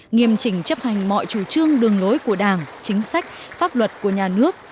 nghiêm chỉnh chấp hành mọi chủ trương đường lối của đảng chính sách pháp luật của nhà nước